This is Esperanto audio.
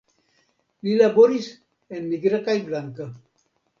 Li laboris en nigra kaj blanka.